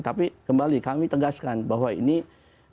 tapi kembali kami tegaskan bahwa ini kita harus bergabung